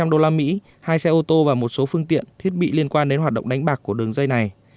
một trăm linh đô la mỹ hai xe ô tô và một số phương tiện thiết bị liên quan đến hoạt động đánh bạc của đường dây này